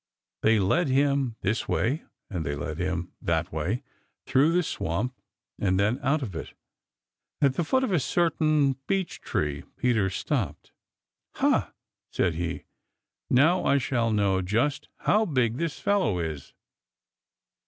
They led him this way and they led him that way through the swamp and then out of it. At the foot of a certain birch tree Peter stopped. "Ha!" said he, "now I shall know just how big this fellow is."